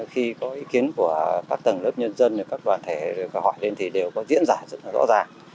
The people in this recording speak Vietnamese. khi có ý kiến của các tầng lớp nhân dân các đoàn thể hỏi lên thì đều có diễn giải rất là rõ ràng